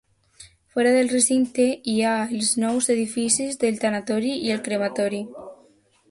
Fora del recinte hi ha els nous edificis del tanatori i el crematori.